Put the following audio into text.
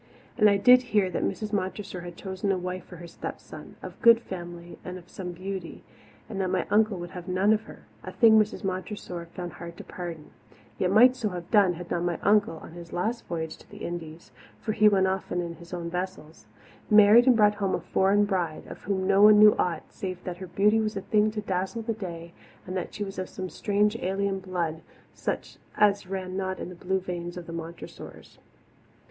And I did hear that Mrs. Montressor had chosen a wife for her stepson, of good family and some beauty, but that my Uncle Hugh would have none of her a thing Mrs. Montressor found hard to pardon, yet might so have done had not my uncle, on his last voyage to the Indies for he went often in his own vessels married and brought home a foreign bride, of whom no one knew aught save that her beauty was a thing to dazzle the day and that she was of some strange alien blood such as ran not in the blue veins of the Montressors.